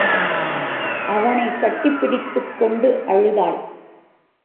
அவனைக் கட்டிப் பிடித்துக் கொண்டு அழுதாள்.